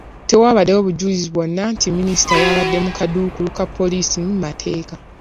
Tewaabaddewo bujulizi bwonna nti minisita yabadde mu kaduukulu ka poliisi mu mateeka.